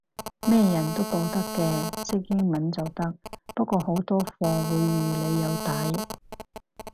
咩人都報得嘅，識英文就得，不過好多課會預你有底